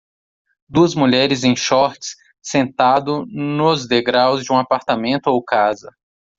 Duas mulheres em shorts sentado nos degraus de um apartamento ou casa.